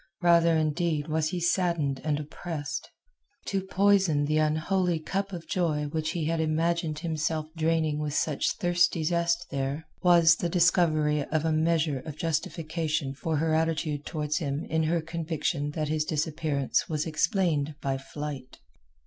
Rather, indeed, was he saddened and oppressed. To poison the unholy cup of joy which he had imagined himself draining with such thirsty zest there was that discovery of a measure of justification for her attitude towards him in her conviction that his disappearance was explained by flight.